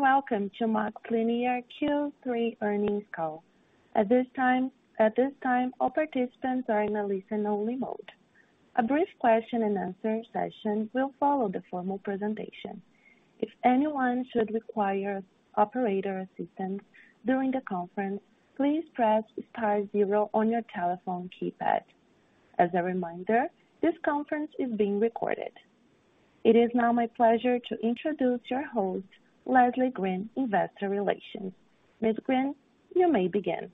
Greetings, and welcome to MaxLinear Q3 earnings call. At this time, all participants are in a listen-only mode. A brief question and answer session will follow the formal presentation. If anyone should require operator assistance during the conference, please press star zero on your telephone keypad. As a reminder, this conference is being recorded. It is now my pleasure to introduce your host, Leslie Green, Investor Relations. Ms. Green, you may begin.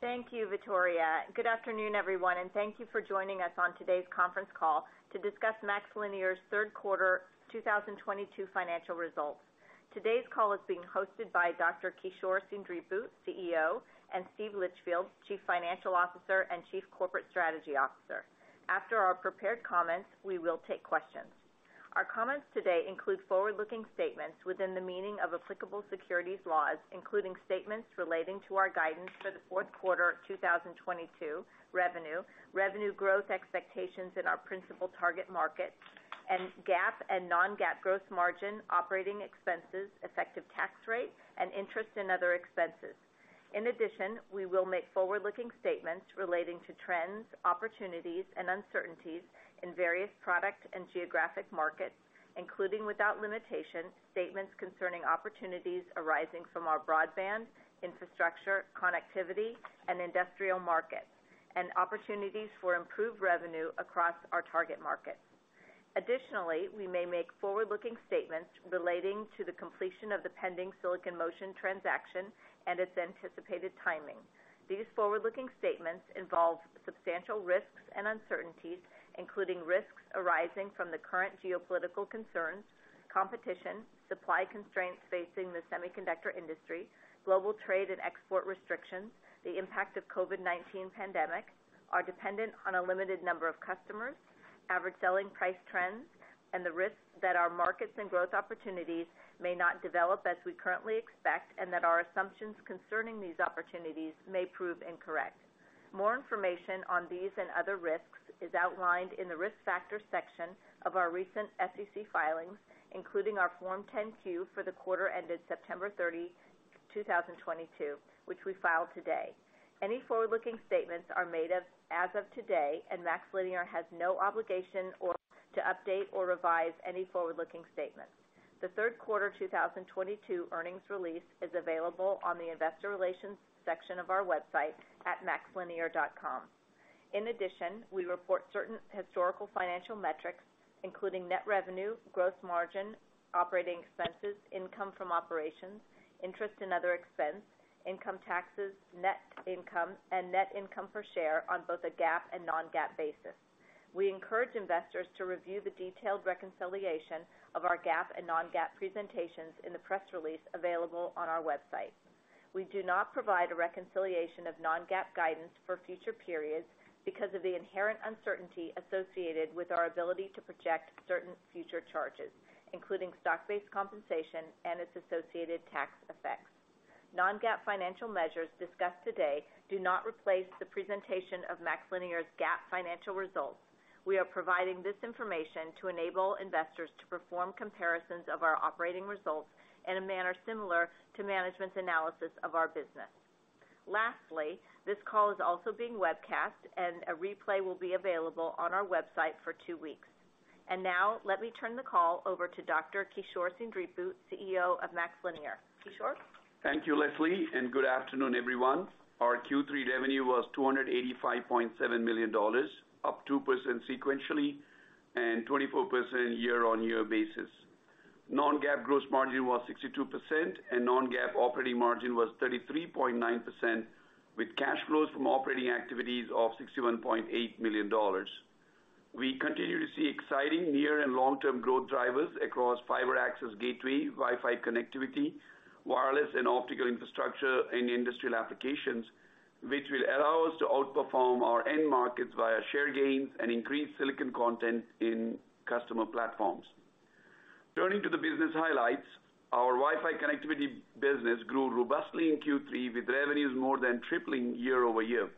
Thank you, Victoria. Good afternoon, everyone, and thank you for joining us on today's conference call to discuss MaxLinear's third quarter 2022 financial results. Today's call is being hosted by Dr. Kishore Seendripu, CEO, and Steve Litchfield, Chief Financial Officer and Chief Corporate Strategy Officer. After our prepared comments, we will take questions. Our comments today include forward-looking statements within the meaning of applicable securities laws, including statements relating to our guidance for the fourth quarter of 2022 revenue growth expectations in our principal target market, and GAAP and non-GAAP gross margin, operating expenses, effective tax rate, and interest in other expenses. In addition, we will make forward-looking statements relating to trends, opportunities, and uncertainties in various product and geographic markets, including without limitation, statements concerning opportunities arising from our broadband, infrastructure, connectivity and industrial markets, and opportunities for improved revenue across our target market. Additionally, we may make forward-looking statements relating to the completion of the pending Silicon Motion transaction and its anticipated timing. These forward-looking statements involve substantial risks and uncertainties, including risks arising from the current geopolitical concerns, competition, supply constraints facing the semiconductor industry, global trade and export restrictions, the impact of the COVID-19 pandemic and dependence on a limited number of customers, average selling price trends, and the risk that our markets and growth opportunities may not develop as we currently expect and that our assumptions concerning these opportunities may prove incorrect. More information on these and other risks is outlined in the Risk Factors section of our recent SEC filings, including our Form 10-Q for the quarter ended September 30, 2022, which we filed today. Any forward-looking statements are made as of today and MaxLinear has no obligation to update or revise any forward-looking statements. The third quarter 2022 earnings release is available on the investor relations section of our website at maxlinear.com. In addition, we report certain historical financial metrics including net revenue, gross margin, operating expenses, income from operations, interest and other expense, income taxes, net income, and net income per share on both a GAAP and non-GAAP basis. We encourage investors to review the detailed reconciliation of our GAAP and non-GAAP presentations in the press release available on our website. We do not provide a reconciliation of non-GAAP guidance for future periods because of the inherent uncertainty associated with our ability to project certain future charges, including stock-based compensation and its associated tax effects. Non-GAAP financial measures discussed today do not replace the presentation of MaxLinear's GAAP financial results. We are providing this information to enable investors to perform comparisons of our operating results in a manner similar to management's analysis of our business. Lastly, this call is also being webcast and a replay will be available on our website for two weeks. Now let me turn the call over to Dr. Kishore Seendripu, CEO of MaxLinear. Kishore? Thank you, Leslie, and good afternoon, everyone. Our Q3 revenue was $285.7 million, up 2% sequentially and 24% year-over-year basis. non-GAAP gross margin was 62% and non-GAAP operating margin was 33.9% with cash flows from operating activities of $61.8 million. We continue to see exciting near and long-term growth drivers across fiber access gateway, Wi-Fi connectivity, wireless and optical infrastructure and industrial applications, which will allow us to outperform our end markets via share gains and increased silicon content in customer platforms. Turning to the business highlights, our Wi-Fi connectivity business grew robustly in Q3 with revenues more than tripling year-over-year.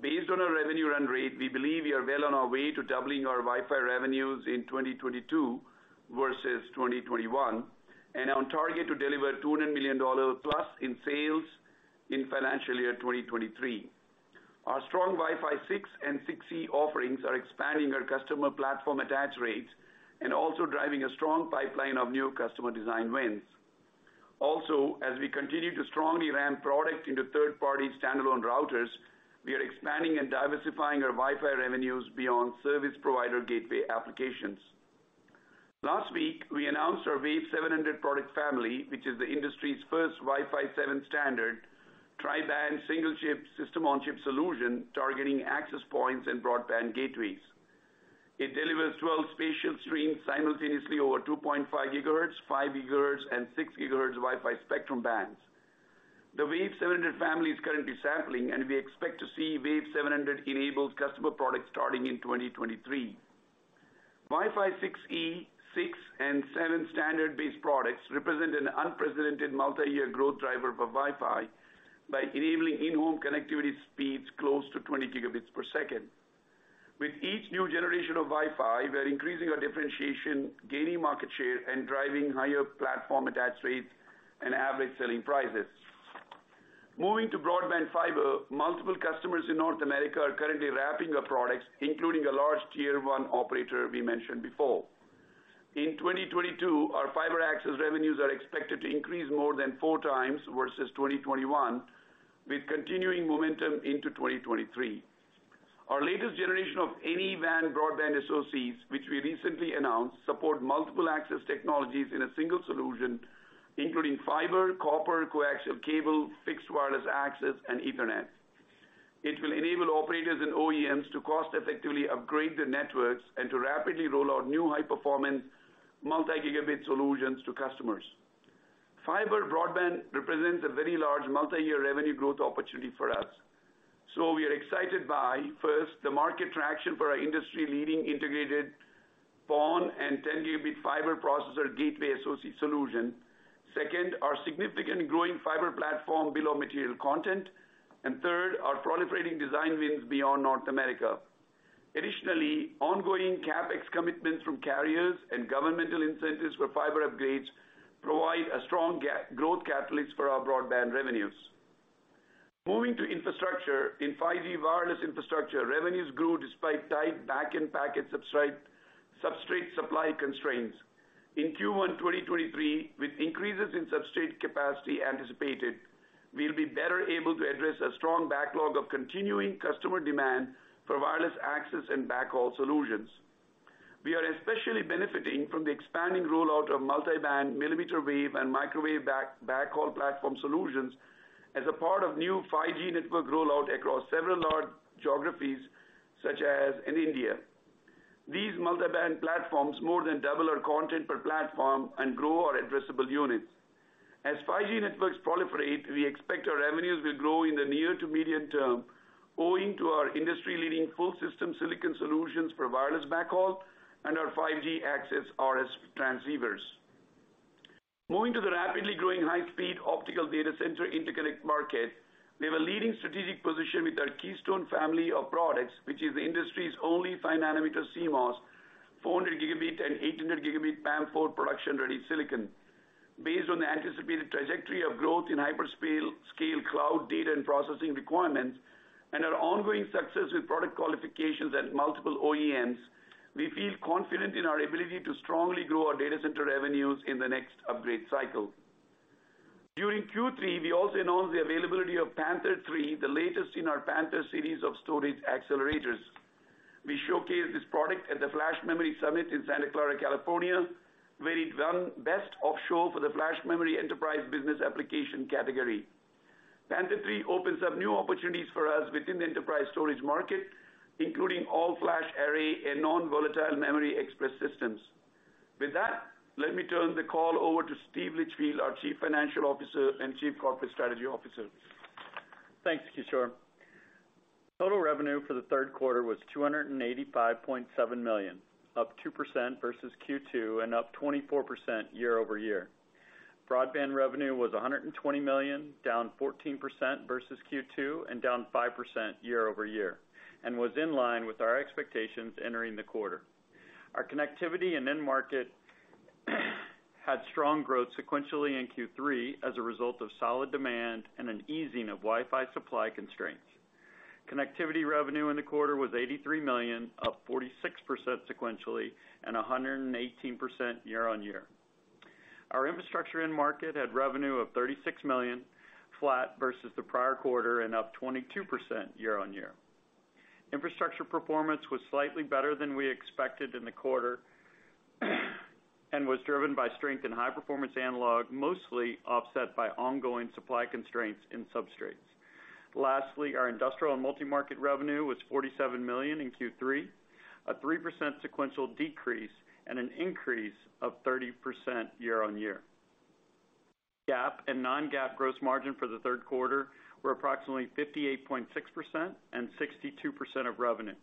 Based on our revenue run rate, we believe we are well on our way to doubling our Wi-Fi revenues in 2022 versus 2021 and on target to deliver $200 million-plus in sales in financial year 2023. Our strong Wi-Fi 6 and 6E offerings are expanding our customer platform attach rates and also driving a strong pipeline of new customer design wins. Also, as we continue to strongly ramp product into third-party standalone routers, we are expanding and diversifying our Wi-Fi revenues beyond service provider gateway applications. Last week, we announced our Wave 700 product family, which is the industry's first Wi-Fi 7 standard, tri-band single-chip system on chip solution targeting access points and broadband gateways. It delivers 12 spatial streams simultaneously over 2.5 GHz, 5 GHz and 6 GHz Wi-Fi spectrum bands. The Wave 700 family is currently sampling, and we expect to see Wave 700 enabled customer products starting in 2023. Wi-Fi 6E, 6 and 7 standard-based products represent an unprecedented multi-year growth driver for Wi-Fi by enabling in-home connectivity speeds close to 20 Gb per second. With each new generation of Wi-Fi, we're increasing our differentiation, gaining market share, and driving higher platform attach rates and average selling prices. Moving to broadband fiber, multiple customers in North America are currently wrapping our products, including a large tier one operator we mentioned before. In 2022, our fiber access revenues are expected to increase more than 4x versus 2021, with continuing momentum into 2023. Our latest generation of AnyWAN broadband SoCs, which we recently announced, support multiple access technologies in a single solution, including fiber, copper, coaxial cable, fixed wireless access, and Ethernet. It will enable operators and OEMs to cost-effectively upgrade their networks and to rapidly roll out new high-performance multi-gigabit solutions to customers. Fiber broadband represents a very large multi-year revenue growth opportunity for us. We are excited by, first, the market traction for our industry-leading integrated PON and 10-gigabit fiber processor gateway SoC solution. Second, our significant growing fiber platform bill of material content. Third, our proliferating design wins beyond North America. Additionally, ongoing CapEx commitments from carriers and governmental incentives for fiber upgrades provide a strong growth catalyst for our broadband revenues. Moving to infrastructure. In 5G wireless infrastructure, revenues grew despite tight backend packet substrate supply constraints. In Q1 2023, with increases in substrate capacity anticipated, we'll be better able to address a strong backlog of continuing customer demand for wireless access and backhaul solutions. We are especially benefiting from the expanding rollout of multiband millimeter wave and microwave backhaul platform solutions as a part of new 5G network rollout across several large geographies, such as in India. These multiband platforms more than double our content per platform and grow our addressable units. As 5G networks proliferate, we expect our revenues will grow in the near to medium term owing to our industry-leading full system silicon solutions for wireless backhaul and our 5G access RF transceivers. Moving to the rapidly growing high-speed optical data center interconnect market. We have a leading strategic position with our Keystone family of products, which is the industry's only 5-nanometer CMOS 400 gigabit and 800 gigabit PAM4 production-ready silicon. Based on the anticipated trajectory of growth in hyperscale, scale cloud data and processing requirements, and our ongoing success with product qualifications at multiple OEMs, we feel confident in our ability to strongly grow our data center revenues in the next upgrade cycle. During Q3, we also announced the availability of Panther III, the latest in our Panther series of storage accelerators. We showcased this product at the Flash Memory Summit in Santa Clara, California, where it won Best of Show for the flash memory enterprise business application category. Panther III opens up new opportunities for us within the enterprise storage market, including all-flash array and non-volatile memory express systems. With that, let me turn the call over to Steve Litchfield, our Chief Financial Officer and Chief Corporate Strategy Officer. Thanks, Kishore. Total revenue for the third quarter was $285.7 million, up 2% versus Q2 and up 24% year-over-year. Broadband revenue was $120 million, down 14% versus Q2 and down 5% year-over-year and was in line with our expectations entering the quarter. Our connectivity end market had strong growth sequentially in Q3 as a result of solid demand and an easing of Wi-Fi supply constraints. Connectivity revenue in the quarter was $83 million, up 46% sequentially and 118% year-over-year. Our infrastructure end market had revenue of $36 million, flat versus the prior quarter and up 22% year-over-year. Infrastructure performance was slightly better than we expected in the quarter and was driven by strength in high-performance analog, mostly offset by ongoing supply constraints in substrates. Lastly, our industrial and multi-market revenue was $47 million in Q3, a 3% sequential decrease and an increase of 30% year-on-year. GAAP and non-GAAP gross margin for the third quarter were approximately 58.6% and 62% of revenue.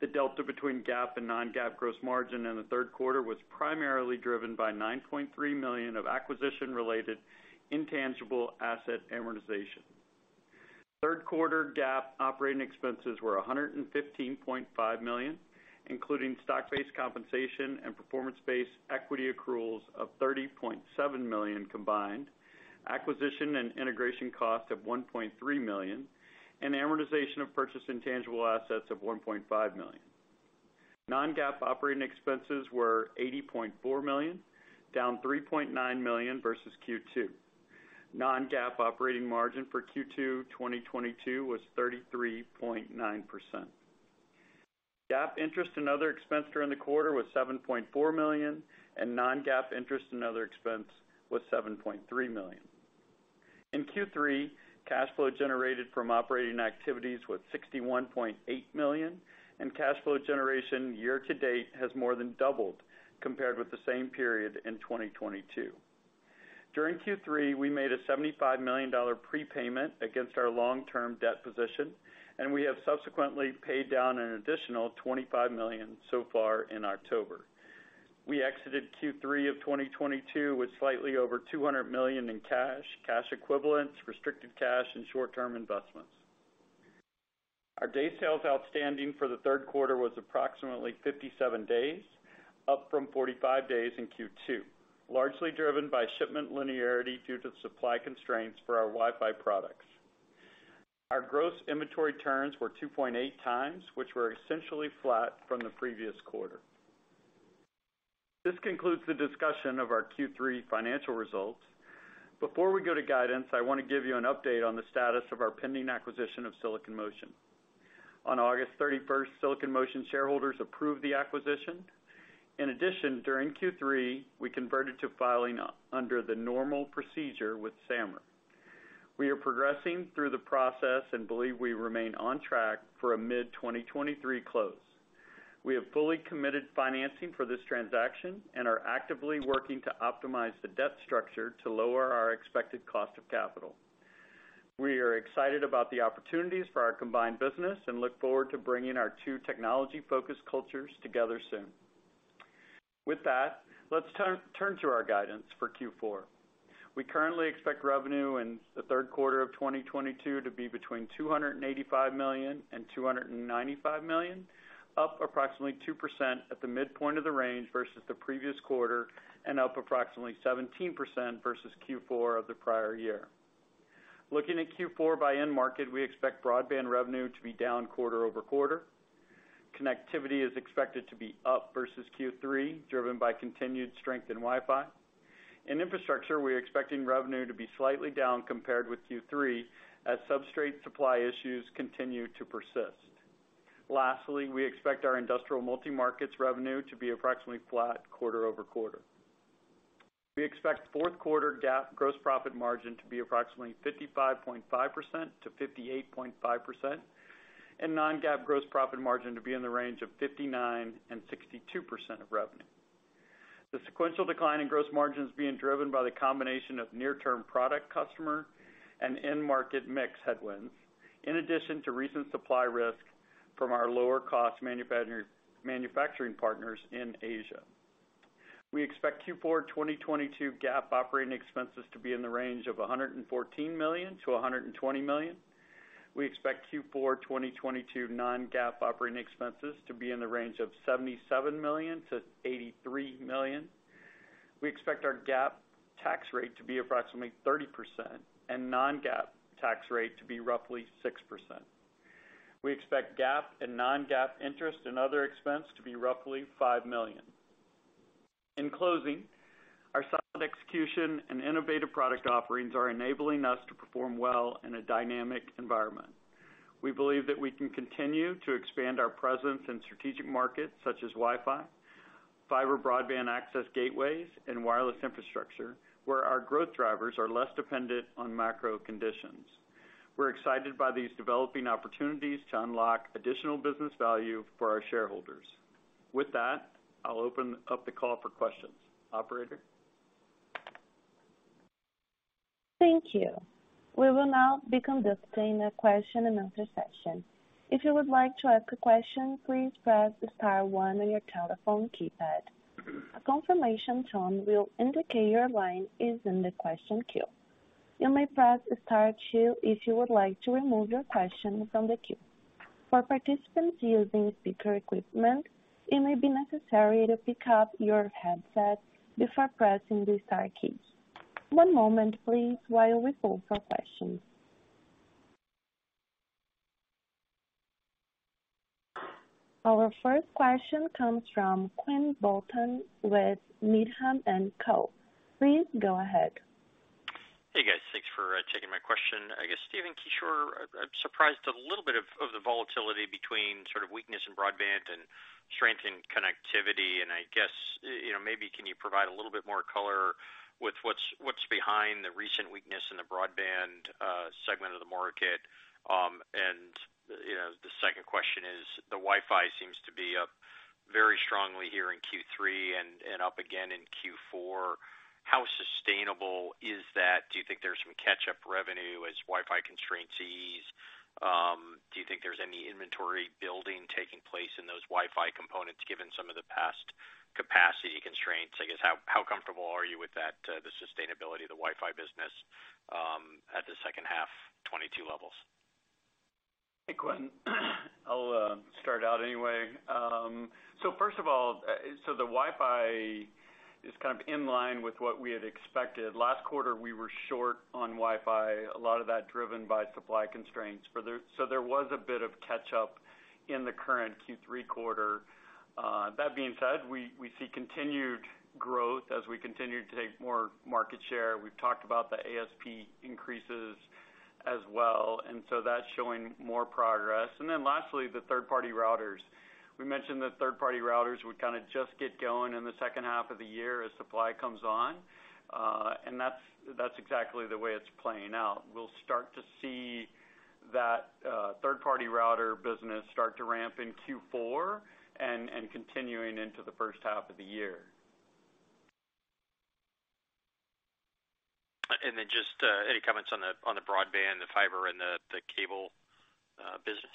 The delta between GAAP and non-GAAP gross margin in the third quarter was primarily driven by $9.3 million of acquisition-related intangible asset amortization. Third quarter GAAP operating expenses were $115.5 million, including stock-based compensation and performance-based equity accruals of $30.7 million combined, acquisition and integration cost of $1.3 million, and amortization of purchased intangible assets of $1.5 million. non-GAAP operating expenses were $80.4 million, down $3.9 million versus Q2. non-GAAP operating margin for Q2 2022 was 33.9%. GAAP interest and other expense during the quarter was $7.4 million, and non-GAAP interest and other expense was $7.3 million. In Q3, cash flow generated from operating activities was $61.8 million, and cash flow generation year to date has more than doubled compared with the same period in 2022. During Q3, we made a $75 million prepayment against our long-term debt position, and we have subsequently paid down an additional $25 million so far in October. We exited Q3 of 2022 with slightly over $200 million in cash equivalents, restricted cash, and short-term investments. Our days sales outstanding for the third quarter was approximately 57 days, up from 45 days in Q2, largely driven by shipment linearity due to supply constraints for our Wi-Fi products. Our gross inventory turns were 2.8x, which were essentially flat from the previous quarter. This concludes the discussion of our Q3 financial results. Before we go to guidance, I wanna give you an update on the status of our pending acquisition of Silicon Motion. On August 31st, Silicon Motion shareholders approved the acquisition. In addition, during Q3, we converted to filing under the normal procedure with SAMR. We are progressing through the process and believe we remain on track for a mid-2023 close. We have fully committed financing for this transaction and are actively working to optimize the debt structure to lower our expected cost of capital. We are excited about the opportunities for our combined business and look forward to bringing our two technology-focused cultures together soon. With that, let's turn to our guidance for Q4. We currently expect revenue in the fourth quarter of 2022 to be between $285 million and $295 million, up approximately 2% at the midpoint of the range versus the previous quarter and up approximately 17% versus Q4 of the prior year. Looking at Q4 by end market, we expect broadband revenue to be down quarter-over-quarter. Connectivity is expected to be up versus Q3, driven by continued strength in Wi-Fi. In infrastructure, we're expecting revenue to be slightly down compared with Q3 as substrate supply issues continue to persist. Lastly, we expect our industrial multi-markets revenue to be approximately flat quarter-over-quarter. We expect fourth quarter GAAP gross profit margin to be approximately 55.5%-58.5%, and non-GAAP gross profit margin to be in the range of 59%-62% of revenue. The sequential decline in gross margin is being driven by the combination of near-term product customer and end market mix headwinds, in addition to recent supply risk from our lower cost manufacturing partners in Asia. We expect Q4 2022 GAAP operating expenses to be in the range of $114 million-$120 million. We expect Q4 2022 non-GAAP operating expenses to be in the range of $77 million-$83 million. We expect our GAAP tax rate to be approximately 30% and non-GAAP tax rate to be roughly 6%. We expect GAAP and non-GAAP interest and other expense to be roughly $5 million. In closing, our solid execution and innovative product offerings are enabling us to perform well in a dynamic environment. We believe that we can continue to expand our presence in strategic markets such as Wi-Fi, fiber broadband access gateways, and wireless infrastructure, where our growth drivers are less dependent on macro conditions. We're excited by these developing opportunities to unlock additional business value for our shareholders. With that, I'll open up the call for questions. Operator? Thank you. We will now be conducting a question and answer session. If you would like to ask a question, please press star one on your telephone keypad. A confirmation tone will indicate your line is in the question queue. You may press star two if you would like to remove your question from the queue. For participants using speaker equipment, it may be necessary to pick up your headset before pressing the star keys. One moment, please, while we poll for questions. Our first question comes from Quinn Bolton with Needham & Company. Please go ahead. Hey, guys. Thanks for taking my question. I guess, Steven, Kishore, I'm surprised a little bit of the volatility between sort of weakness in broadband and strength in connectivity. I guess, you know, maybe can you provide a little bit more color with what's behind the recent weakness in the broadband segment of the market? You know, the second question is, the Wi-Fi seems to be up very strongly here in Q3 and up again in Q4. How sustainable is that? Do you think there's some catch-up revenue as Wi-Fi constraints ease? Do you think there's any inventory building taking place in those Wi-Fi components given some of the past capacity constraints? I guess, how comfortable are you with that, the sustainability of the Wi-Fi business at the second half 2022 levels? Hey, Quinn. I'll start out anyway. First of all, the Wi-Fi is kind of in line with what we had expected. Last quarter, we were short on Wi-Fi, a lot of that driven by supply constraints. There was a bit of catch up in the current Q3 quarter. That being said, we see continued growth as we continue to take more market share. We've talked about the ASP increases as well, and so that's showing more progress. Then lastly, the third-party routers. We mentioned the third-party routers would kinda just get going in the second half of the year as supply comes on, and that's exactly the way it's playing out. We'll start to see that third-party router business start to ramp in Q4 and continuing into the first half of the year. Just any comments on the broadband, the fiber and the cable business?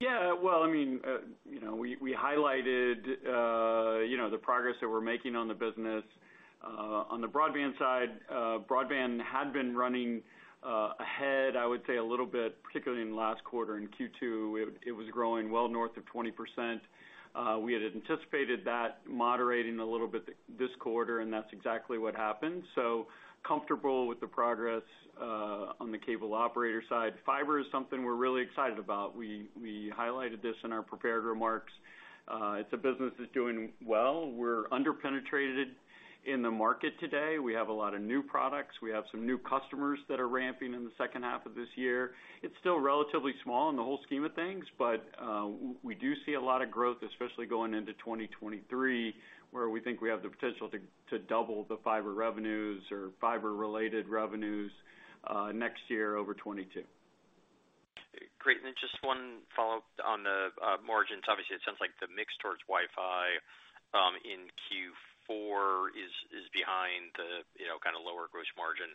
Yeah. Well, I mean, you know, we highlighted, you know, the progress that we're making on the business. On the broadband side, broadband had been running ahead, I would say a little bit, particularly in the last quarter. In Q2, it was growing well north of 20%. We had anticipated that moderating a little bit this quarter, and that's exactly what happened. Comfortable with the progress on the cable operator side. Fiber is something we're really excited about. We highlighted this in our prepared remarks. It's a business that's doing well. We're under-penetrated in the market today. We have a lot of new products. We have some new customers that are ramping in the second half of this year. It's still relatively small in the whole scheme of things, but we do see a lot of growth, especially going into 2023, where we think we have the potential to double the fiber revenues or fiber-related revenues next year over 2022. Great. Just one follow-up on the margins. Obviously, it sounds like the mix towards Wi-Fi in Q4 is behind the, you know, kind of lower gross margin.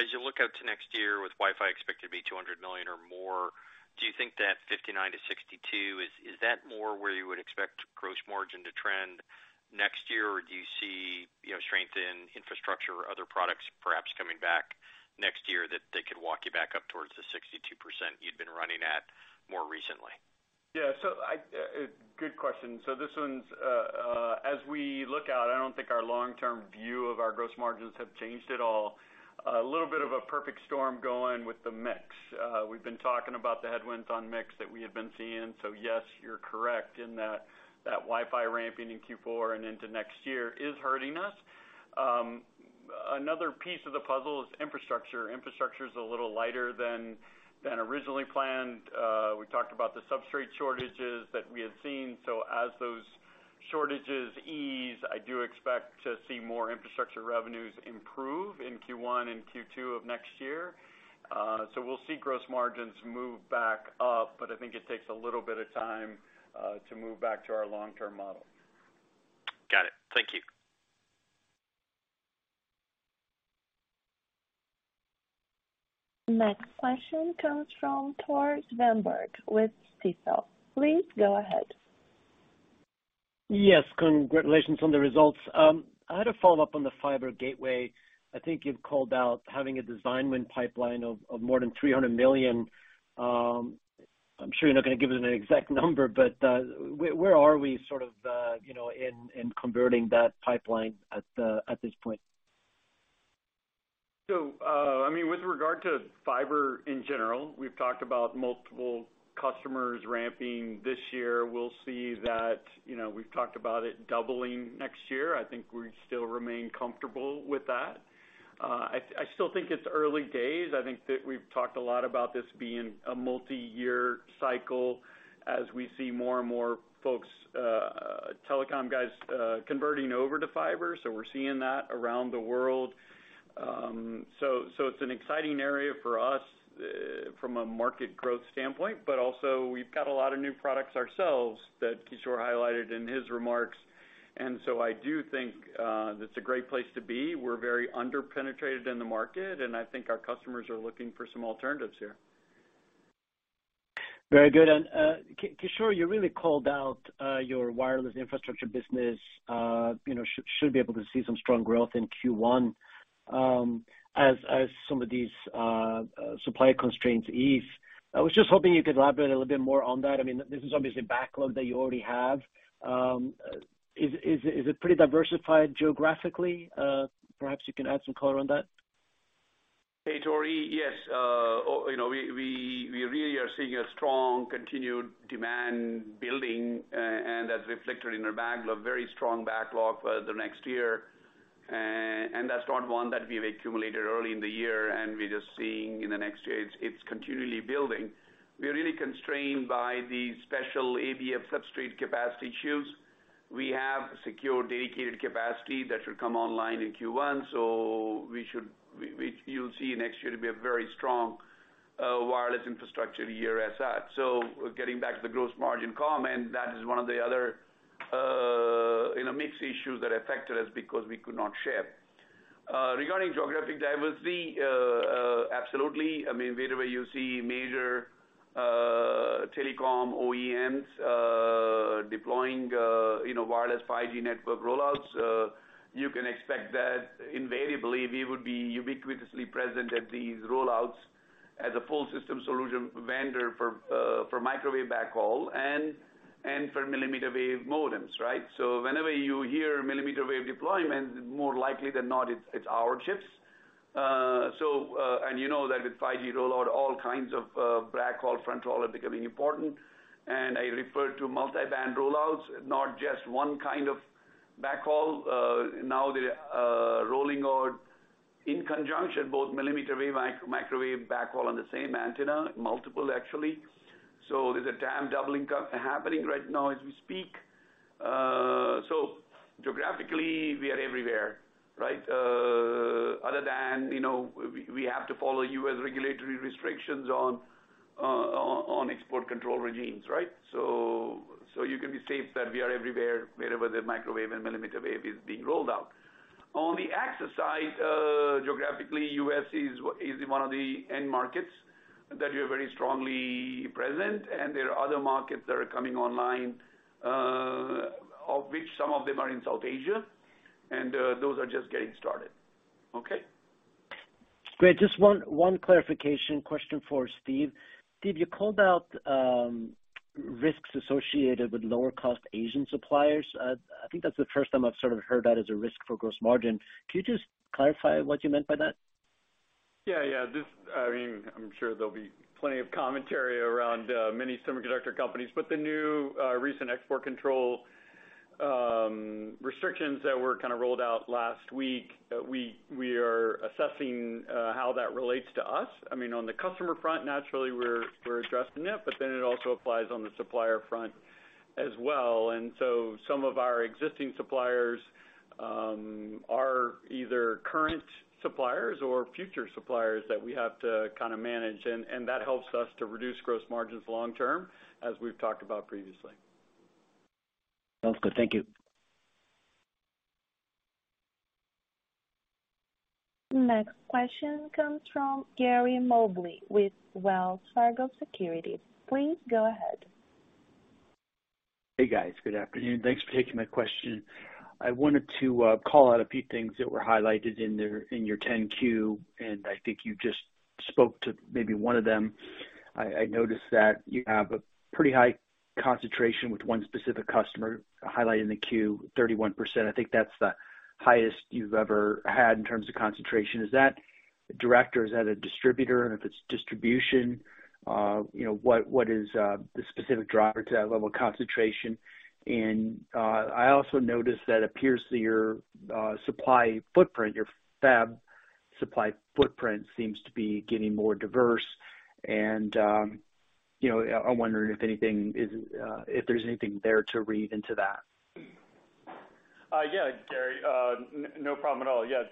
As you look out to next year with Wi-Fi expected to be $200 million or more, do you think that 59%-62% is that more where you would expect gross margin to trend next year? Or do you see, you know, strength in infrastructure or other products perhaps coming back next year that they could walk you back up towards the 62% you'd been running at more recently? Yeah. Good question. This one's, as we look out, I don't think our long-term view of our gross margins have changed at all. A little bit of a perfect storm going with the mix. We've been talking about the headwinds on mix that we had been seeing. Yes, you're correct in that that Wi-Fi ramping in Q4 and into next year is hurting us. Another piece of the puzzle is infrastructure. Infrastructure is a little lighter than originally planned. We talked about the substrate shortages that we had seen. As those shortages ease, I do expect to see more infrastructure revenues improve in Q1 and Q2 of next year. So we'll see gross margins move back up, but I think it takes a little bit of time to move back to our long-term model. Got it. Thank you. Next question comes from Tore Svanberg with Stifel. Please go ahead. Yes. Congratulations on the results. I had a follow-up on the fiber gateway. I think you've called out having a design win pipeline of more than $300 million. I'm sure you're not gonna give us an exact number, but where are we sort of you know in converting that pipeline at this point? I mean, with regard to fiber in general, we've talked about multiple customers ramping this year. We'll see that, you know, we've talked about it doubling next year. I think we still remain comfortable with that. I still think it's early days. I think that we've talked a lot about this being a multiyear cycle as we see more and more folks, telecom guys, converting over to fiber. We're seeing that around the world. It's an exciting area for us, from a market growth standpoint, but also we've got a lot of new products ourselves that Kishore highlighted in his remarks. I do think that's a great place to be. We're very under-penetrated in the market, and I think our customers are looking for some alternatives here. Very good. Kishore, you really called out your wireless infrastructure business. You know, should be able to see some strong growth in Q1, as some of these supply constraints ease. I was just hoping you could elaborate a little bit more on that. I mean, this is obviously backlog that you already have. Is it pretty diversified geographically? Perhaps you can add some color on that. Hey, Tore. Yes. We really are seeing a strong continued demand building, and that's reflected in our backlog, very strong backlog for the next year. That's not one that we've accumulated early in the year, and we're just seeing in the next year, it's continually building. We're really constrained by the special ABF substrate capacity issues. We have secure dedicated capacity that should come online in Q1. You'll see next year to be a very strong wireless infrastructure year as that. Getting back to the gross margin comment, that is one of the other mix issues that affected us because we could not ship. Regarding geographic diversity, absolutely. I mean, wherever you see major telecom OEMs deploying, you know, wireless 5G network rollouts, you can expect that invariably we would be ubiquitously present at these rollouts as a full system solution vendor for microwave backhaul and for millimeter wave modems, right? Whenever you hear millimeter wave deployment, more likely than not it's our chips. You know that with 5G rollout, all kinds of backhaul, front haul are becoming important. I refer to multiband rollouts, not just one kind of backhaul. Now they're rolling out in conjunction both millimeter wave microwave backhaul on the same antenna, multiple actually. There's a TAM doubling happening right now as we speak. Geographically, we are everywhere, right? Other than, we have to follow U.S. regulatory restrictions on On export control regimes, right? You can be safe that we are everywhere, wherever the microwave and millimeter wave is being rolled out. On the access side, geographically, U.S. is one of the end markets that we are very strongly present, and there are other markets that are coming online, of which some of them are in South Asia, and those are just getting started. Okay. Great. Just one clarification question for Steve. Steve, you called out risks associated with lower cost Asian suppliers. I think that's the first time I've sort of heard that as a risk for gross margin. Could you just clarify what you meant by that? Yeah. Yeah. I mean, I'm sure there'll be plenty of commentary around many semiconductor companies, but the new recent export control restrictions that were kind of rolled out last week, we are assessing how that relates to us. I mean, on the customer front, naturally, we're addressing it, but then it also applies on the supplier front as well. That helps us to reduce gross margins long term as we've talked about previously. Sounds good. Thank you. Next question comes from Gary Mobley with Wells Fargo Securities. Please go ahead. Hey, guys. Good afternoon. Thanks for taking my question. I wanted to call out a few things that were highlighted in your 10-Q, and I think you just spoke to maybe one of them. I noticed that you have a pretty high concentration with one specific customer highlighted in the 10-Q, 31%. I think that's the highest you've ever had in terms of concentration. Is that direct? Is that a distributor? And if it's distributor, you know, what is the specific driver to that level of concentration? I also noticed it appears that your supply footprint, your fab supply footprint seems to be getting more diverse. You know, I'm wondering if there's anything there to read into that. Yeah, Gary. No problem at all. Yeah.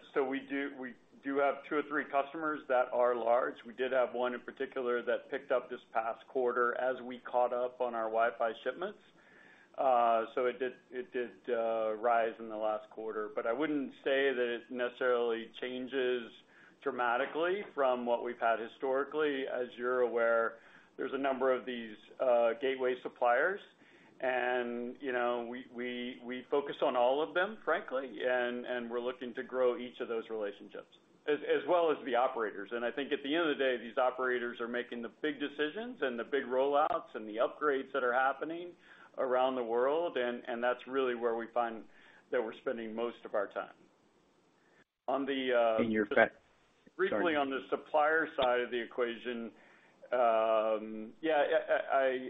We have two or three customers that are large. We did have one in particular that picked up this past quarter as we caught up on our Wi-Fi shipments. It did rise in the last quarter. I wouldn't say that it necessarily changes dramatically from what we've had historically. As you're aware, there's a number of these gateway suppliers. You know, we focus on all of them, frankly, and we're looking to grow each of those relationships as well as the operators. I think at the end of the day, these operators are making the big decisions and the big rollouts and the upgrades that are happening around the world, and that's really where we find that we're spending most of our time. On the. In your fab. Sorry. Recently, on the supplier side of the equation,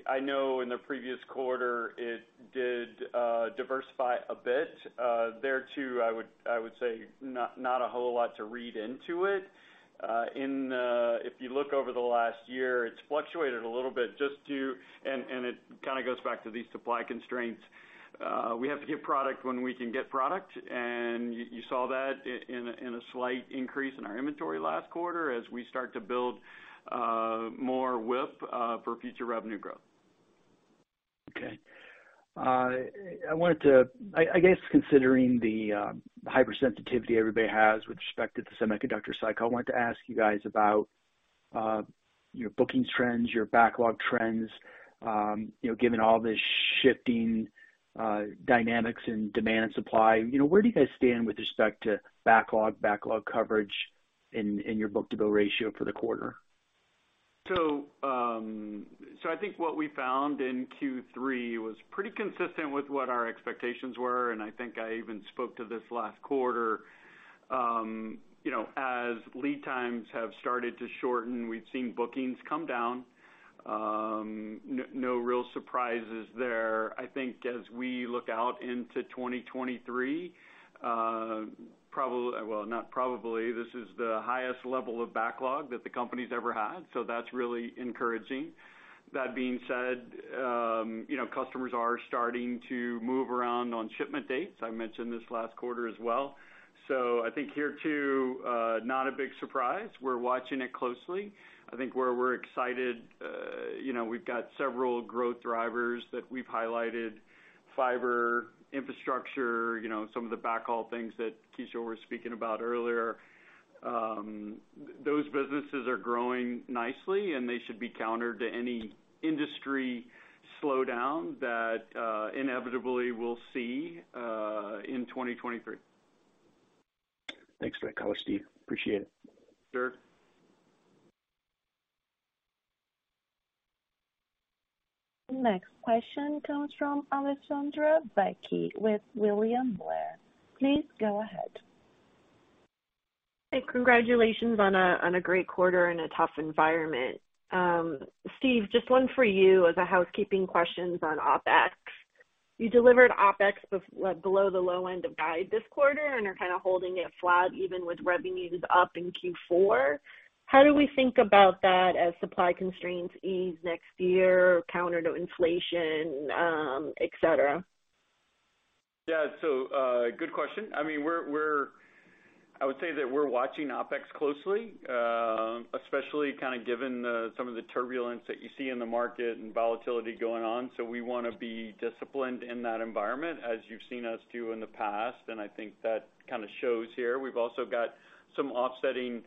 I know in the previous quarter, it did diversify a bit. There too, I would say not a whole lot to read into it. If you look over the last year, it's fluctuated a little bit, and it kind of goes back to these supply constraints. We have to get product when we can get product, and you saw that in a slight increase in our inventory last quarter as we start to build more WIP for future revenue growth. Okay. I guess considering the hypersensitivity everybody has with respect to the semiconductor cycle, I wanted to ask you guys about your bookings trends, your backlog trends, you know, given all the shifting dynamics in demand and supply. You know, where do you guys stand with respect to backlog coverage in your book-to-bill ratio for the quarter? I think what we found in Q3 was pretty consistent with what our expectations were, and I think I even spoke to this last quarter. You know, as lead times have started to shorten, we've seen bookings come down. No real surprises there. I think as we look out into 2023, this is the highest level of backlog that the company's ever had, so that's really encouraging. That being said, you know, customers are starting to move around on shipment dates. I mentioned this last quarter as well. I think here too, not a big surprise. We're watching it closely. I think where we're excited, you know, we've got several growth drivers that we've highlighted, fiber infrastructure, you know, some of the backhaul things that Kishore was speaking about earlier. Those businesses are growing nicely, and they should be counter to any industry slowdown that inevitably we'll see in 2023. Thanks for that color, Steve. Appreciate it. Sure. Next question comes from Alessandra Vecchi with William Blair. Please go ahead. Hey, congratulations on a great quarter in a tough environment. Steve, just one for you as a housekeeping question on OpEx. You delivered OpEx below the low end of guide this quarter and are kind of holding it flat even with revenues up in Q4. How do we think about that as supply constraints ease next year counter to inflation, et cetera? Yeah. Good question. I mean, I would say that we're watching OpEx closely, especially kind of given some of the turbulence that you see in the market and volatility going on. We wanna be disciplined in that environment, as you've seen us do in the past, and I think that kind of shows here. We've also got some offsetting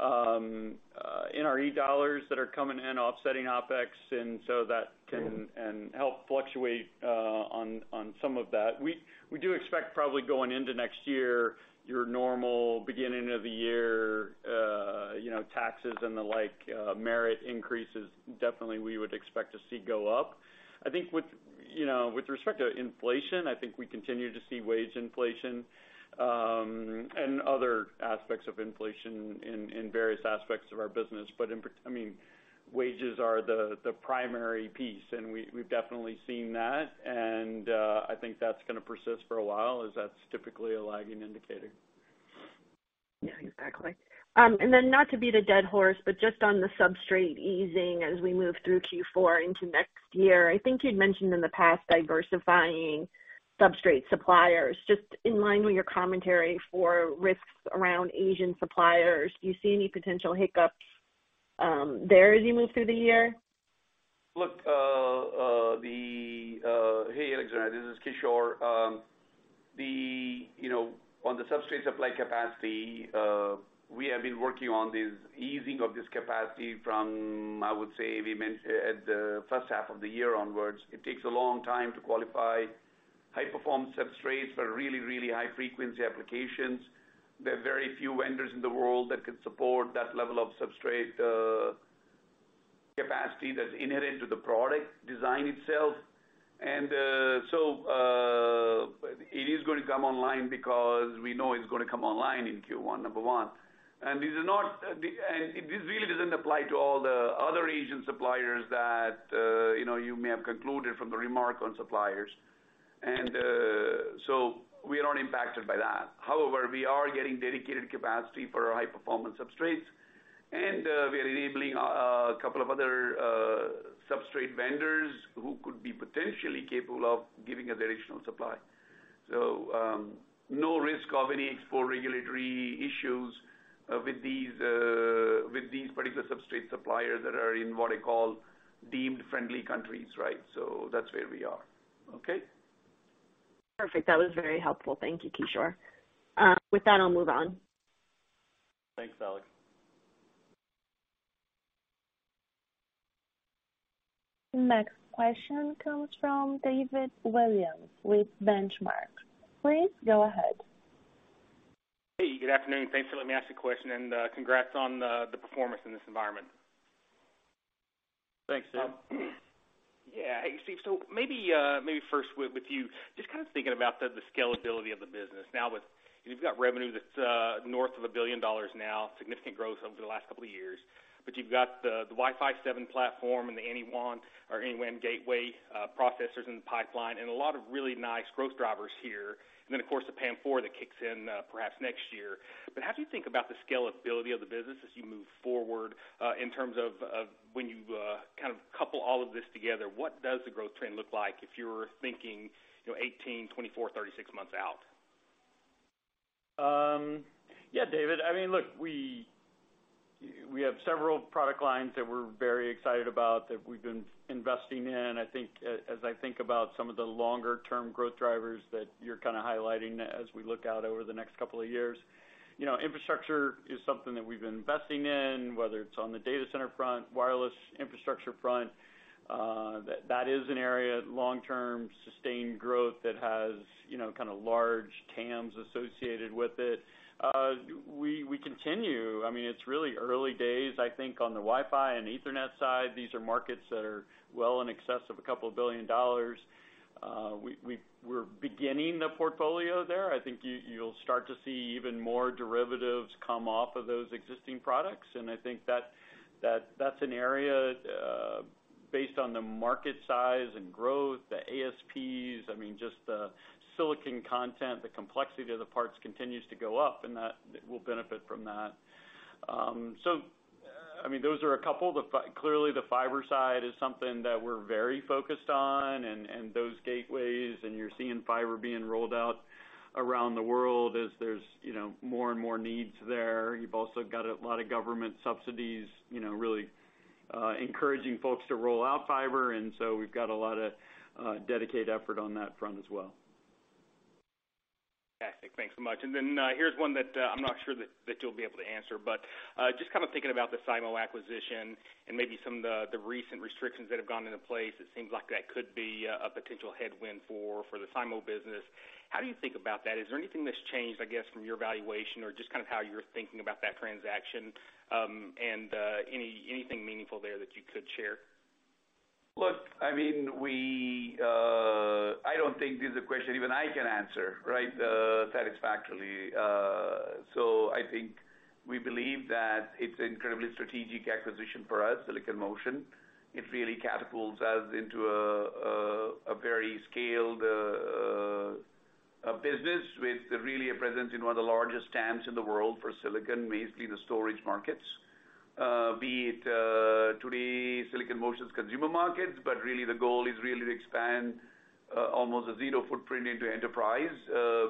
NRE dollars that are coming in, offsetting OpEx, and so that can help fluctuate on some of that. We do expect probably going into next year, your normal beginning of the year, you know, taxes and the like, merit increases, definitely we would expect to see go up. I think, you know, with respect to inflation, I think we continue to see wage inflation and other aspects of inflation in various aspects of our business. But in part, I mean, wages are the primary piece, and we've definitely seen that and I think that's gonna persist for a while as that's typically a lagging indicator. Yeah, exactly. Not to beat a dead horse, but just on the substrate easing as we move through Q4 into next year, I think you'd mentioned in the past diversifying substrate suppliers. Just in line with your commentary for risks around Asian suppliers, do you see any potential hiccups there as you move through the year? Hey, this is Kishore. You know, on the substrate supply capacity, we have been working on this easing of this capacity from, I would say, we mentioned at the first half of the year onwards. It takes a long time to qualify high-performance substrates for really, really high frequency applications. There are very few vendors in the world that can support that level of substrate capacity that's inherent to the product design itself. It is gonna come online because we know it's gonna come online in Q1, number one. This is not, and this really doesn't apply to all the other Asian suppliers that, you know, you may have concluded from the remark on suppliers. We are not impacted by that. However, we are getting dedicated capacity for our high-performance substrates, and we are enabling a couple of other substrate vendors who could be potentially capable of giving us additional supply. No risk of any export regulatory issues with these particular substrate suppliers that are in what I call deemed friendly countries, right? That's where we are. Okay? Perfect. That was very helpful. Thank you, Kishore. With that, I'll move on. Thanks, Vecchi. Next question comes from David Williams with Benchmark. Please go ahead. Hey, good afternoon. Thanks for letting me ask a question, and congrats on the performance in this environment. Thanks, David. Yeah. Hey, Steve, maybe first with you. Just kind of thinking about the scalability of the business. You've got revenue that's north of $1 billion now, significant growth over the last couple of years. You've got the Wi-Fi 7 platform and the AnyWAN gateway processors in the pipeline and a lot of really nice growth drivers here. Then, of course, the PAM4 that kicks in perhaps next year. As you think about the scalability of the business as you move forward in terms of when you kind of couple all of this together, what does the growth trend look like if you were thinking, you know, 18, 24, 36 months out? Yeah, David. I mean, look, we have several product lines that we're very excited about, that we've been investing in. I think, as I think about some of the longer term growth drivers that you're kinda highlighting as we look out over the next couple of years, you know, infrastructure is something that we've been investing in, whether it's on the data center front, wireless infrastructure front, that is an area of long-term sustained growth that has, you know, kind of large TAMs associated with it. We continue. I mean, it's really early days, I think, on the Wi-Fi and Ethernet side. These are markets that are well in excess of $2 billion. We're beginning the portfolio there. I think you'll start to see even more derivatives come off of those existing products. I think that's an area based on the market size and growth, the ASPs, I mean, just the silicon content, the complexity of the parts continues to go up, and that we'll benefit from that. So, I mean, those are a couple. Clearly, the fiber side is something that we're very focused on and those gateways, and you're seeing fiber being rolled out around the world as there's, you know, more and more needs there. You've also got a lot of government subsidies, you know, really encouraging folks to roll out fiber. So we've got a lot of dedicated effort on that front as well. Fantastic. Thanks so much. Here's one that I'm not sure that you'll be able to answer. Just kind of thinking about the SIMO acquisition and maybe some of the recent restrictions that have gone into place, it seems like that could be a potential headwind for the SIMO business. How do you think about that? Is there anything that's changed, I guess, from your valuation or just kind of how you're thinking about that transaction? And anything meaningful there that you could share? Look, I mean, I don't think this is a question even I can answer, right, satisfactorily. I think we believe that it's an incredibly strategic acquisition for us, Silicon Motion. It really catapults us into a very scaled business with really a presence in one of the largest TAMs in the world for silicon, mainly the storage markets. Be it today Silicon Motion's consumer markets, but really the goal is really to expand almost a zero footprint into enterprise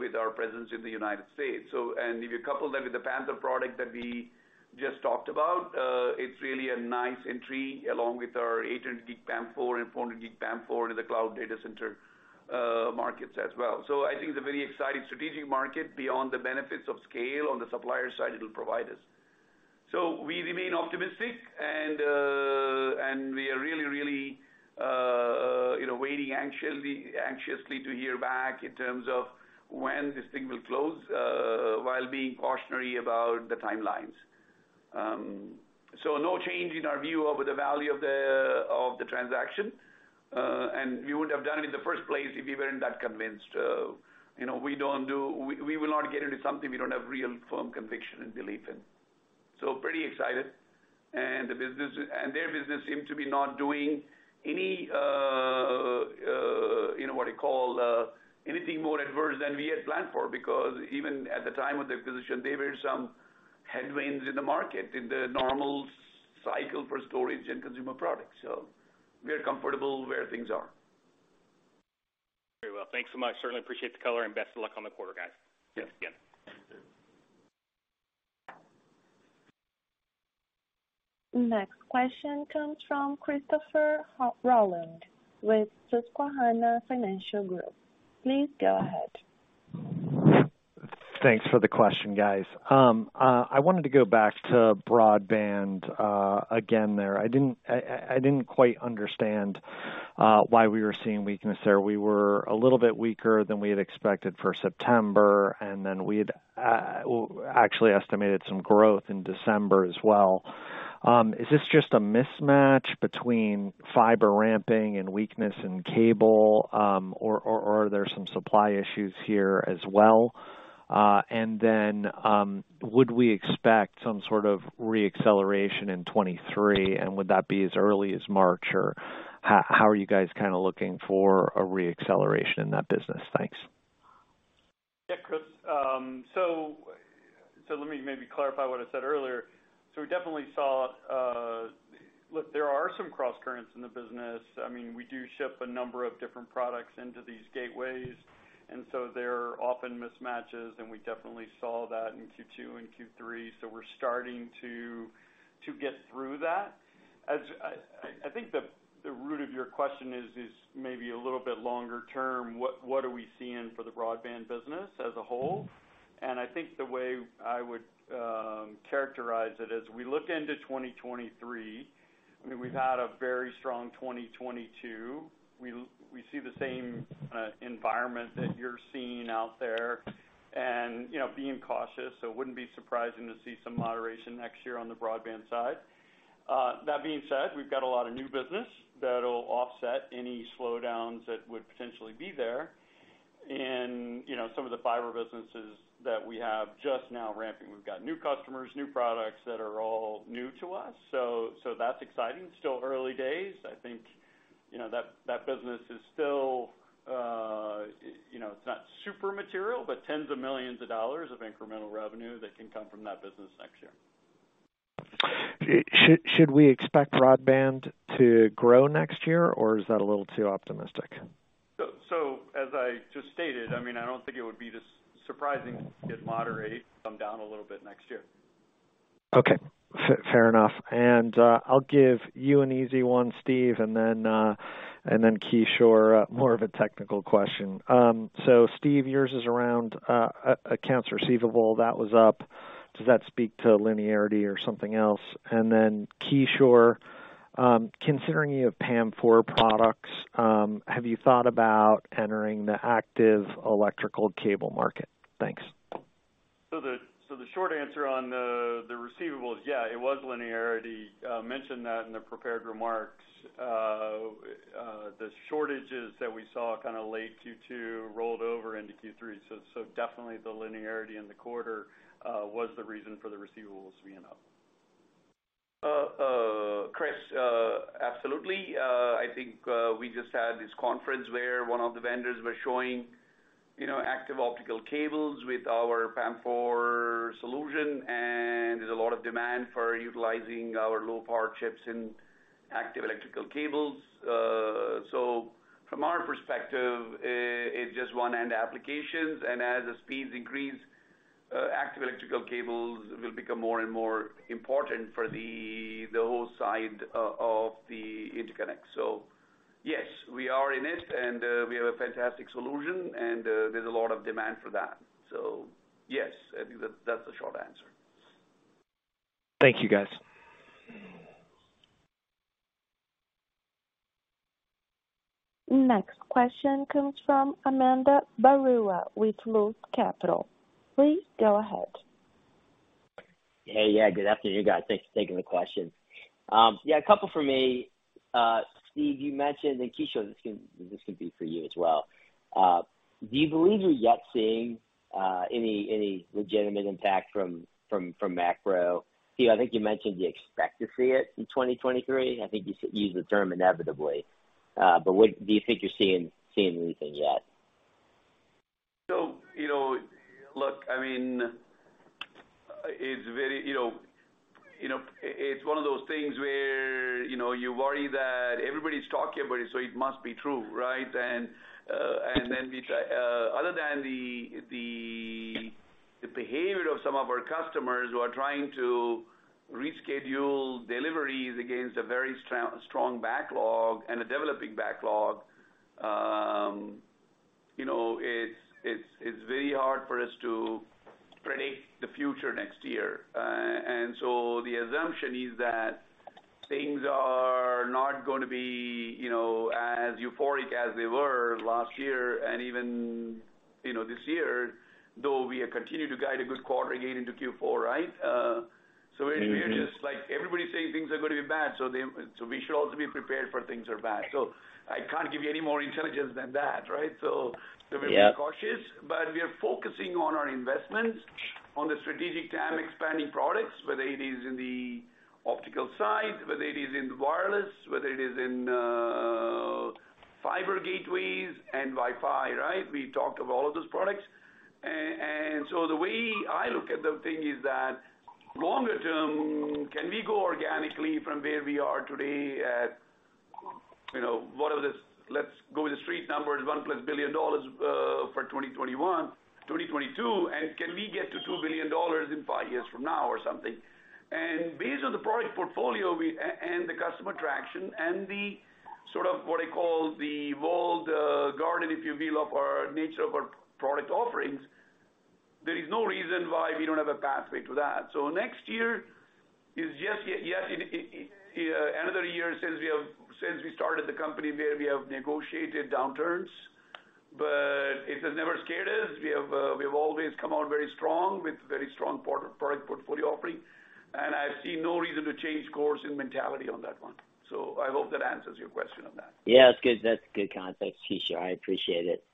with our presence in the United States. If you couple that with the Panther product that we just talked about, it's really a nice entry along with our 800G PAM4 and 400G PAM4 into the cloud data center markets as well. I think it's a very exciting strategic market beyond the benefits of scale on the supplier side it'll provide us. We remain optimistic and we are really you know waiting anxiously to hear back in terms of when this thing will close while being cautionary about the timelines. No change in our view of the value of the transaction and we wouldn't have done it in the first place if we weren't that convinced. You know we will not get into something we don't have real firm conviction and belief in. Pretty excited. Their business seems to be not doing any, you know, what do you call, anything more adverse than we had planned for, because even at the time of the acquisition, there were some headwinds in the market, in the normal semi-cycle for storage and consumer products. We are comfortable where things are. Very well. Thanks so much. Certainly appreciate the color and best of luck on the quarter, guys. Yes. Yeah. Next question comes from Christopher Rolland with Susquehanna International Group. Please go ahead. Thanks for the question, guys. I wanted to go back to broadband again there. I didn't quite understand why we were seeing weakness there. We were a little bit weaker than we had expected for September, and then we'd actually estimated some growth in December as well. Is this just a mismatch between fiber ramping and weakness in cable, or are there some supply issues here as well? Would we expect some sort of re-acceleration in 2023? Would that be as early as March? Or how are you guys kinda looking for a re-acceleration in that business? Thanks. Yeah, Chris. Let me maybe clarify what I said earlier. We definitely saw. Look, there are some crosscurrents in the business. I mean, we do ship a number of different products into these gateways, and so there are often mismatches, and we definitely saw that in Q2 and Q3, so we're starting to get through that. I think the root of your question is maybe a little bit longer term, what are we seeing for the broadband business as a whole? I think the way I would characterize it as we look into 2023, I mean, we've had a very strong 2022. We see the same environment that you're seeing out there and, you know, being cautious. It wouldn't be surprising to see some moderation next year on the broadband side. That being said, we've got a lot of new business that'll offset any slowdowns that would potentially be there in, you know, some of the fiber businesses that we have just now ramping. We've got new customers, new products that are all new to us. That's exciting. Still early days. I think, you know, that business is still, you know, it's not super material, but tens of millions dollars of incremental revenue that can come from that business next year. Should we expect broadband to grow next year, or is that a little too optimistic? As I just stated, I mean, I don't think it would be just surprising to moderate, come down a little bit next year. Okay. Fair enough. I'll give you an easy one, Steve, and then Kishore, more of a technical question. So Steve, yours is around accounts receivable, that was up. Does that speak to linearity or something else? Then, Kishore, considering you have PAM4 products, have you thought about entering the active electrical cable market? Thanks. The short answer on the receivables, yeah, it was linearity. Mentioned that in the prepared remarks. The shortages that we saw kinda late Q2 rolled over into Q3. Definitely the linearity in the quarter was the reason for the receivables being up. Christopher, absolutely. I think we just had this conference where one of the vendors were showing, you know, active optical cables with our PAM4 solution, and there's a lot of demand for utilizing our low power chips in active electrical cables. From our perspective, it's just one-end applications, and as the speeds increase, active electrical cables will become more and more important for the whole side of the interconnect. Yes, we are in it, and we have a fantastic solution, and there's a lot of demand for that. Yes, I think that's the short answer. Thank you, guys. Next question comes from Ananda Baruah with Loop Capital. Please go ahead. Hey. Yeah, good afternoon, guys. Thanks for taking the question. Yeah, a couple for me. Steve, you mentioned, and Kishore, this could be for you as well. Do you believe you're yet seeing any legitimate impact from macro? Steve, I think you mentioned you expect to see it in 2023. I think you said you used the term inevitably. But what do you think you're seeing anything yet? You know, look, I mean, it's very, you know, you know, it's one of those things where, you know, you worry that everybody's talking about it, so it must be true, right? Other than the behavior of some of our customers who are trying to reschedule deliveries against a very strong backlog and a developing backlog, you know, it's very hard for us to predict the future next year. The assumption is that things are not gonna be, you know, as euphoric as they were last year and even, you know, this year, though we have continued to guide a good quarter again into Q4, right? We're just like everybody's saying things are gonna be bad, so we should also be prepared for things are bad. I can't give you any more intelligence than that, right? Yeah. We're being cautious, but we are focusing on our investments, on the strategic TAM expanding products, whether it is in the optical side, whether it is in wireless, whether it is in fiber gateways and Wi-Fi, right? We talked of all of those products. The way I look at the thing is that longer term, can we go organically from where we are today at let's go with the street numbers, $1+ billion for 2021, 2022, and can we get to $2 billion in five years from now or something? Based on the product portfolio, the customer traction and the sort of what I call the walled garden, if you will, of our nature of our product offerings, there is no reason why we don't have a pathway to that. Next year is just another year since we started the company, where we have navigated downturns, but it has never scared us. We have always come out very strong with very strong product portfolio offering, and I see no reason to change course and mentality on that one. I hope that answers your question on that. Yeah, that's good. That's good context, Kishore. I appreciate it.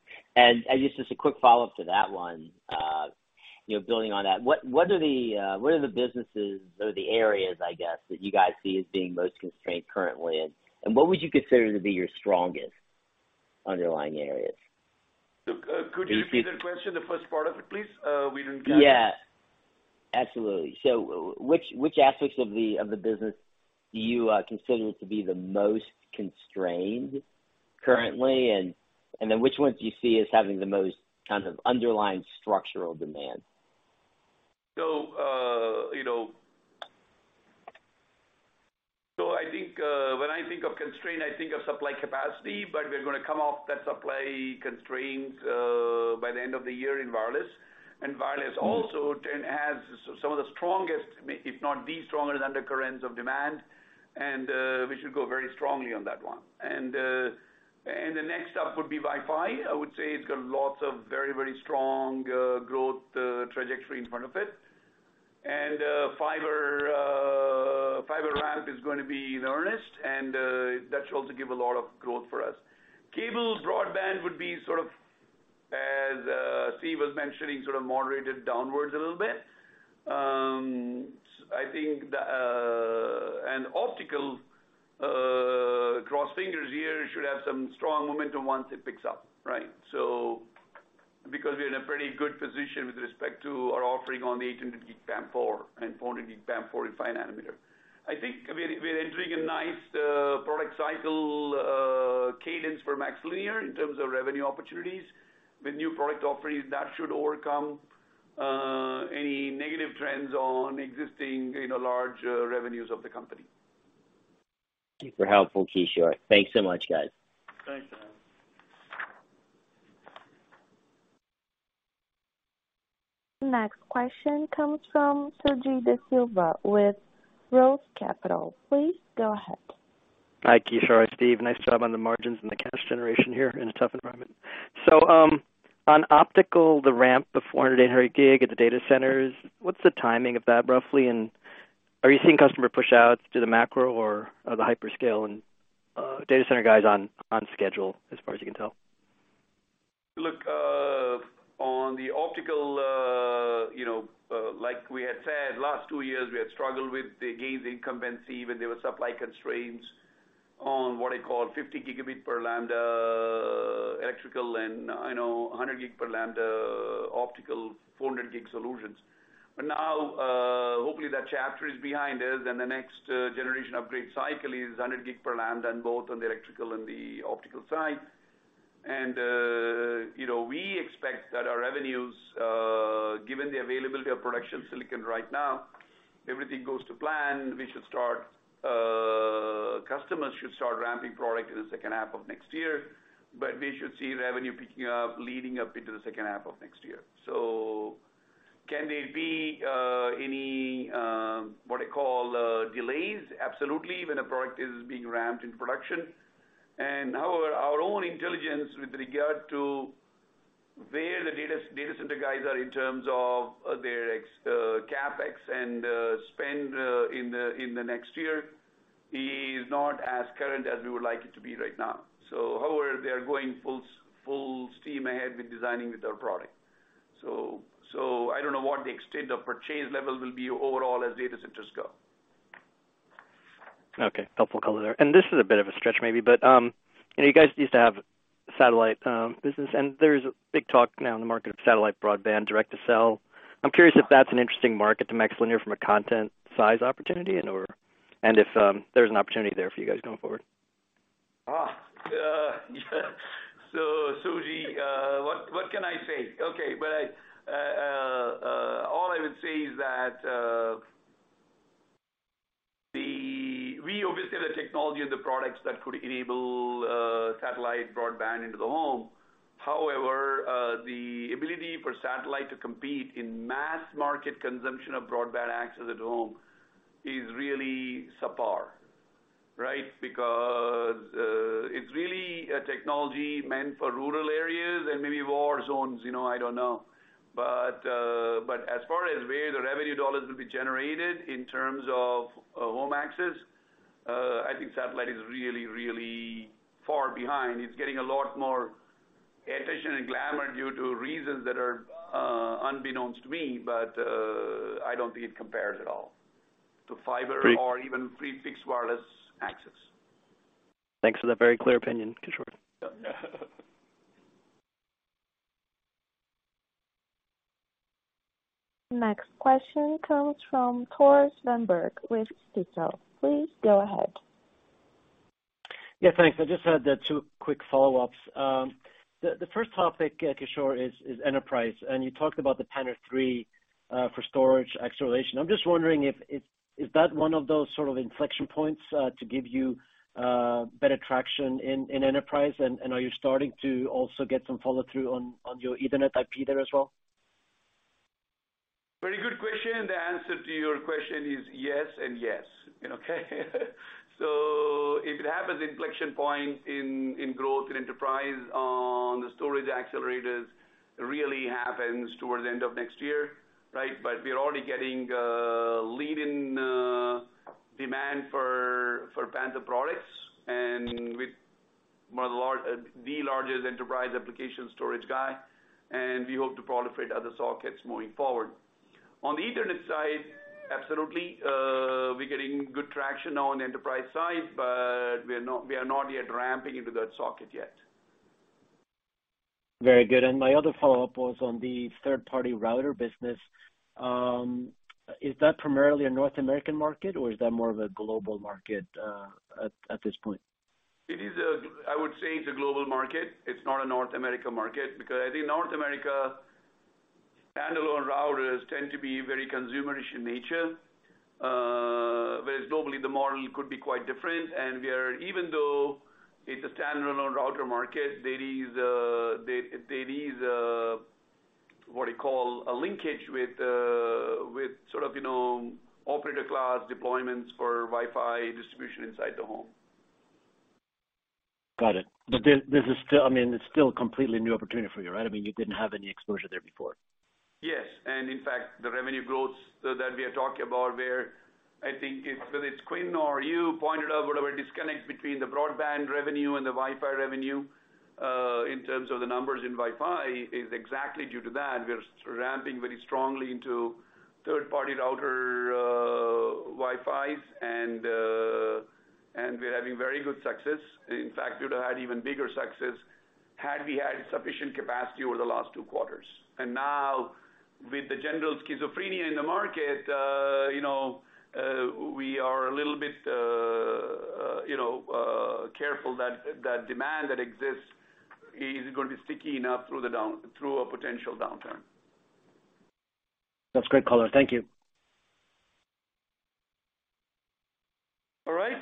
Just a quick follow-up to that one, you know, building on that. What are the businesses or the areas, I guess, that you guys see as being most constrained currently? And what would you consider to be your strongest underlying areas? Could you repeat that question, the first part of it, please? We didn't get it. Yeah, absolutely. Which aspects of the business do you consider to be the most constrained currently, and then which ones do you see as having the most kind of underlying structural demand? I think when I think of constraints, I think of supply capacity, but we're gonna come off that supply constraints by the end of the year in wireless. Wireless also can have some of the strongest, if not the strongest undercurrents of demand, and we should go very strongly on that one. The next up would be Wi-Fi. I would say it's got lots of very strong growth trajectory in front of it. Fiber ramp is going to be in earnest, and that should also give a lot of growth for us. Cable broadband would be sort of, as Steve was mentioning, sort of moderated downwards a little bit. I think the optical, fingers crossed here, should have some strong momentum once it picks up, right? Because we are in a pretty good position with respect to our offering on the 800G PAM4 and 400G PAM4 in 5 nanometer. I think we're entering a nice product cycle cadence for MaxLinear in terms of revenue opportunities. With new product offerings, that should overcome any negative trends on existing, you know, large revenues of the company. Super helpful, Kishore. Thanks so much, guys. Thanks, Ananda. Next question comes from Suji Desilva with Roth Capital. Please go ahead. Hi, Kishore and Steve. Nice job on the margins and the cash generation here in a tough environment. On optical, the ramp of 400 and 800G at the data centers, what's the timing of that, roughly? Are you seeing customer pushout through the macro or the hyperscale and data center guys on schedule as far as you can tell? Look, on the optical, you know, like we had said, last two years, we had struggled with the gains in capacity when there were supply constraints on what I call 50 gigabit per lambda electrical and, you know, a 100 gig per lambda optical, 400 gig solutions. Now, hopefully that chapter is behind us and the next generation upgrade cycle is a 100 gig per lambda, and both on the electrical and the optical side. You know, we expect that our revenues, given the availability of production silicon right now, everything goes to plan. Customers should start ramping product in the second half of next year, but we should see revenue picking up leading up into the second half of next year. Can there be any, what I call, delays? Absolutely, when a product is being ramped in production. However, our own intelligence with regard to where the data center guys are in terms of their CapEx and spend in the next year is not as current as we would like it to be right now. However, they are going full steam ahead with designing with our product. I don't know what the extent of purchase levels will be overall as data centers go. Okay, helpful color there. This is a bit of a stretch maybe, but, you know, you guys used to have satellite business, and there's big talk now in the market of satellite broadband direct to cell. I'm curious if that's an interesting market to MaxLinear from a content size opportunity and if there's an opportunity there for you guys going forward. Suji, what can I say? Okay. All I would say is that we obviously have the technology and the products that could enable satellite broadband into the home. However, the ability for satellite to compete in mass market consumption of broadband access at home is really subpar, right? Because it's really a technology meant for rural areas and maybe war zones, you know, I don't know. As far as where the revenue dollars will be generated in terms of home access, I think satellite is really, really far behind. It's getting a lot more attention and glamour due to reasons that are unbeknownst to me, but I don't think it compares at all to fiber or even fixed wireless access. Thanks for that very clear opinion, Kishore. Next question comes from Tore Svanberg with Stifel. Please go ahead. Yeah, thanks. I just had two quick follow-ups. The first topic, Kishore, is enterprise, and you talked about the Panther III for storage acceleration. I'm just wondering, is that one of those sort of inflection points to give you better traction in enterprise and are you starting to also get some follow through on your Ethernet IP there as well? Very good question. The answer to your question is yes and yes. Okay. If it happens, inflection point in growth in enterprise on the storage accelerators really happens towards the end of next year, right? We're already getting lead-in demand for Panther products and with one of the largest enterprise application storage guy, and we hope to proliferate other sockets moving forward. On the Ethernet side, absolutely. We're getting good traction on the enterprise side, but we're not yet ramping into that socket yet. Very good. My other follow-up was on the third party router business. Is that primarily a North American market or is that more of a global market at this point? I would say it's a global market. It's not a North America market, because I think North America standalone routers tend to be very consumerish in nature, whereas globally the model could be quite different. Even though it's a standalone router market, there is what you call a linkage with sort of, you know, operator class deployments for Wi-Fi distribution inside the home. Got it. There, this is still, I mean, it's still a completely new opportunity for you, right? I mean, you didn't have any exposure there before. Yes. In fact, the revenue growth that we are talking about where I think it's, whether it's Quinn or you pointed out whatever disconnect between the broadband revenue and the Wi-Fi revenue, in terms of the numbers in Wi-Fi is exactly due to that. We're ramping very strongly into third-party router Wi-Fis and we're having very good success. In fact, we'd have had even bigger success had we had sufficient capacity over the last two quarters. Now with the general schizophrenia in the market, you know, we are a little bit, you know, careful that that demand that exists is going to be sticky enough through a potential downturn. That's great color. Thank you. All right.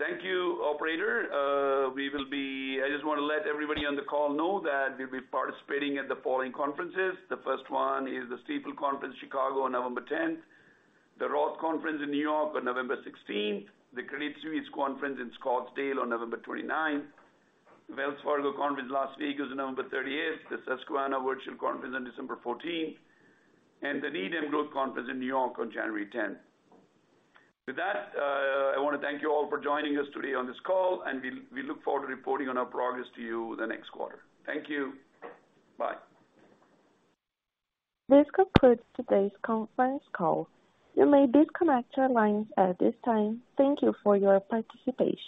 Thank you, operator. I just wanna let everybody on the call know that we'll be participating at the following conferences. The first one is the Stifel Conference, Chicago on November 10. The Roth Conference in New York on November 16. The Credit Suisse Conference in Scottsdale on November 29. Wells Fargo Conference, Las Vegas on November 30. The Susquehanna Virtual Conference on December 14. The Needham Growth Conference in New York on January 10. With that, I wanna thank you all for joining us today on this call, and we look forward to reporting on our progress to you the next quarter. Thank you. Bye. This concludes today's conference call. You may disconnect your lines at this time. Thank you for your participation.